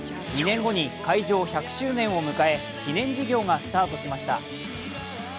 ２年後に開場１００周年を迎え記念事業がスタートしました。